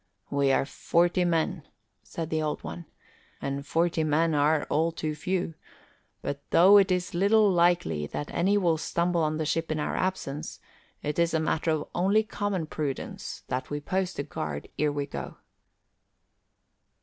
"We are forty men," said the Old One, "and forty men are all too few; but though it is little likely that any will stumble on the ship in our absence, it is a matter of only common prudence that we post a guard ere we go."